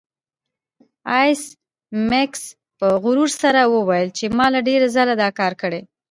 ایس میکس په غرور سره وویل چې ما ډیر ځله دا کار کړی